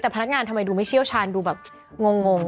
แต่พนักงานทำไมดูไม่เชี่ยวชาญดูแบบงง